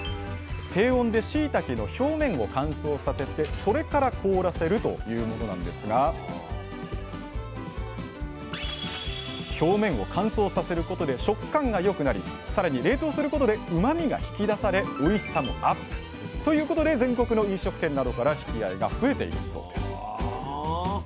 低温でしいたけの表面を乾燥させてそれから凍らせるというものなんですが表面を乾燥させることで食感が良くなりさらに冷凍することでうまみが引き出されおいしさもＵＰ。ということで全国の飲食店などから引き合いが増えているそうです